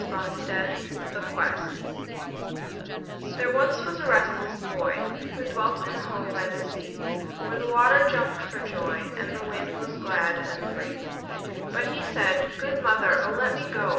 LONGFELLOW THE QUEST There once was a restless boy Who dwelt in a home by the sea, Where the water danced for joy, And the wind was glad and free; But he said: "Good mother, O let me go!